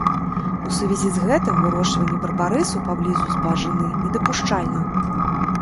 У сувязі з гэтым вырошчванне барбарысу паблізу збажыны недапушчальна.